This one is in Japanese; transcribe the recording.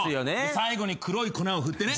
最後に黒い粉を振ってね。